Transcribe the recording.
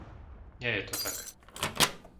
Nie je to tak.